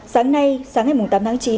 sáng nay sáng ngày tám tháng chín